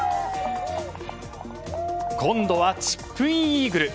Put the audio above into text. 今度はチップインイーグル！